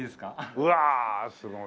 うわすごい。